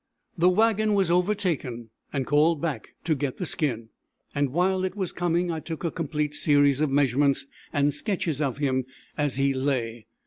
The wagon was overtaken and called back to get the skin, and while it was coming I took a complete series of measurements and sketches of him as he lay.